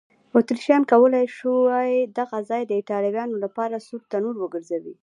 اتریشیانو کولای شوای دغه ځای د ایټالویانو لپاره سور تنور وګرځوي.